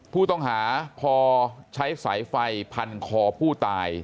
ผู้ต้องหาพอใช้สายไฟพันคอผู้ตาย